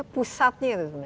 pusatnya itu sebenarnya